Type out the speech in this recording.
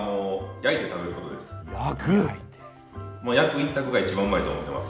焼く一択が一番うまいと思ってます。